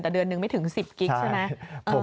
แต่เดือนนึงไม่ถึง๑๐กิ๊กใช่ไหม